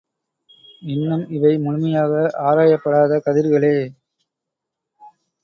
இன்னும் இவை முழுமையாக ஆராயப்படாத கதிர்களே.